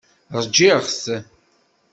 Ṛjiɣ-t.